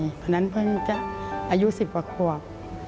เพราะฉะนั้นเพิ่งจะอายุ๑๐กว่าขวบ